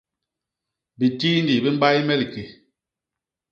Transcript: Bitindi bi mbay me liké.